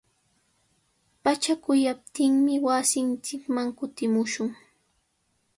Pacha quyaptinmi wasinchikman kutimushun.